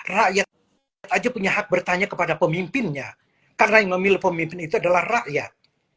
rakyat aja punya hak bertanya kepada pemimpinnya karena yang memilih pemimpin itu adalah rakyat